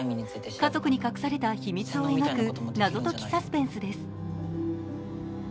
家族に隠された秘密を描く謎解きサスペンスです。